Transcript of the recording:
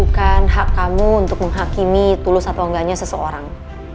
bukan hak kamu untuk menghakimi tulus atau enggaknya seseorang